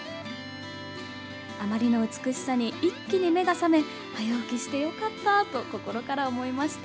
あまりの美しさに一気に目が覚め早起きしてよかったと心から思いました。